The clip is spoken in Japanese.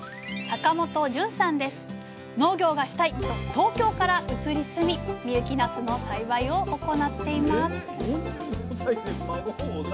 農業がしたいと東京から移り住み深雪なすの栽培を行っています